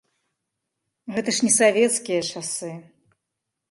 Гэта ж не савецкія часы.